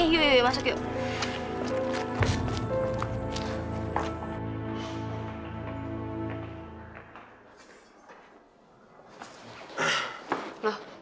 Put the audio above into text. yuk yuk yuk masuk yuk